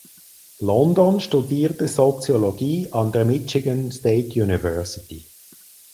London studierte Soziologie an der Michigan State University.